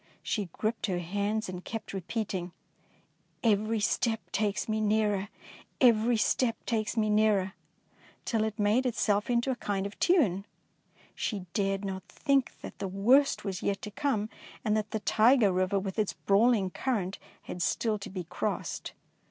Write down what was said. She gripped her hands and kept repeating, " Every step takes me nearer, every 249 DEEDS OF DAEING step takes me nearer/^ till it made itself into a kind of tune. She dared not think that the worst was yet to come, and that the Tyger Eiver with its brawling current had still to be crossed.